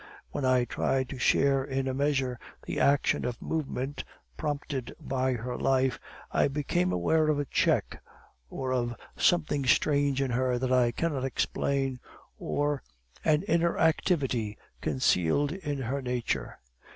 When I tried to share in a measure the action of movement prompted by her life, I became aware of a check, or of something strange in her that I cannot explain, or an inner activity concealed in her nature.